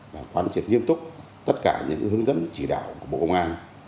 và quán triệt nghiêm túc tất cả những hướng dẫn chỉ đạo của bộ công an